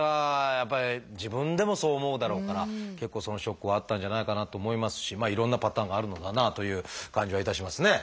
やっぱり自分でもそう思うだろうから結構そのショックはあったんじゃないかなと思いますしいろんなパターンがあるのだなという感じはいたしますね。